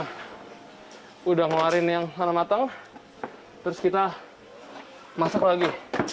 nah udah ngeluarin yang panas matang terus kita masak lagi